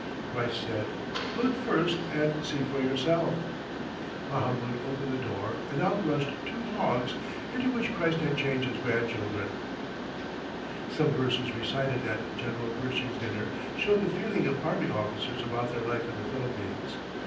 Christ said, 'Look first, and see for yourself.' Mahamoud opened the door, and out rushed two hogs, into which Christ had changed his grandchildren." [Illustration: BAGOBO WITH NOSE FLUTE.] Some verses recited at General Pershing's dinner showed the feeling of army officers about their life in the Philippines.